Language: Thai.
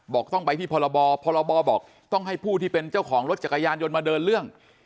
ต้องไปที่พรบพรบบอกต้องให้ผู้ที่เป็นเจ้าของรถจักรยานยนต์มาเดินเรื่อง